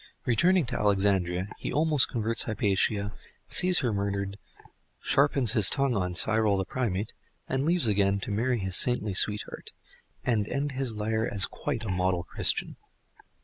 Returning to Alexandria, he almost converts Hypatia, sees her murdered, sharpens his tongue on Cyril the primate, and leaves again to marry his saintly sweetheart, and end his lire as quite a model Christian.